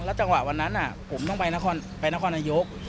จังหวะวันนั้นผมต้องไปนครนายก